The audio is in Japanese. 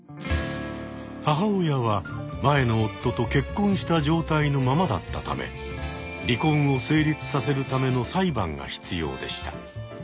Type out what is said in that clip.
母親は前の夫と結婚した状態のままだったため離婚を成立させるための裁判が必要でした。